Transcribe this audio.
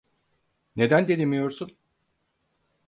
Neden denemiyorsun?